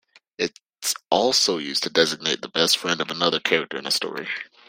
It's also used to designate the best friend of another character in a story.